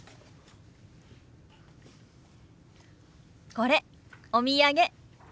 これお土産。